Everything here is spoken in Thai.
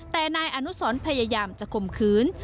แต่นายอนุสรพยายามจะข่มขืน